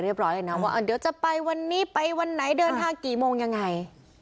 ร้อยเลยนะว่าเดี๋ยวจะไปวันนี้ไปวันไหนเดินทางกี่โมงยังไง